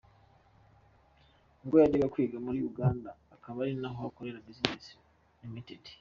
Ubwo yajyaga kwiga muri Uganda, akaba ari naho akorera business Rtd.